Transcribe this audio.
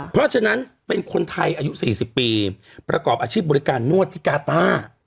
เพราะฉะนั้นเป็นคนไทยอายุ๔๐ปีประกอบอาชีพบริการนวดที่กาต้า